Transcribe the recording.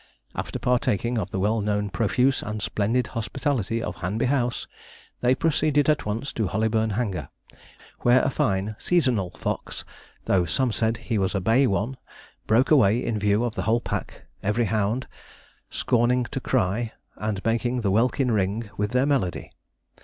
After partaking of the well known profuse and splendid hospitality of Hanby House, they proceeded at once to Hollyburn Hanger, where a fine seasonal fox, though some said he was a bay one, broke away in view of the whole pack, every hound scorning to cry, and making the welkin ring with their melody.